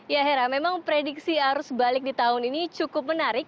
ya hera memang prediksi arus balik di tahun ini cukup menarik